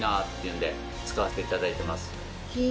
使わせていただいています。